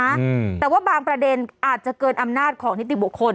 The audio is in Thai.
อืมแต่ว่าบางประเด็นอาจจะเกินอำนาจของนิติบุคคล